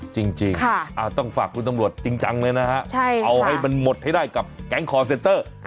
จริงต้องฝากคุณตำรวจจริงจังเลยนะฮะเอาให้มันหมดให้ได้กับแก๊งคอร์เซนเตอร์